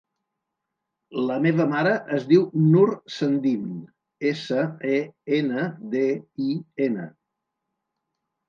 La meva mare es diu Nur Sendin: essa, e, ena, de, i, ena.